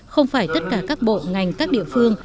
không phải tất cả các bộ ngành các địa phương